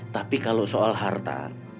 tapi kalau soal harta